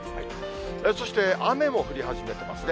そして雨も降り始めてますね。